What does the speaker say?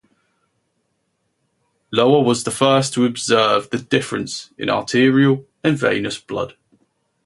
Lower was the first to observe the difference in arterial and venous blood.